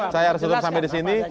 saya harus tutup sampai disini